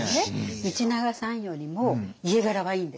道長さんよりも家柄はいいんですよ。